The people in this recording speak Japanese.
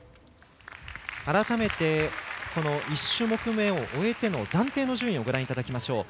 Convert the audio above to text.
改めて１種目め終えての順位をご覧いただきましょう。